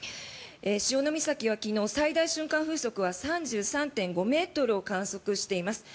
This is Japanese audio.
潮岬は昨日、最大瞬間風速は３３．５ｍを観測しています。